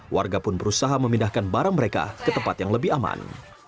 warga pun berusaha memindahkan barang mereka ke tempat yang lebih aman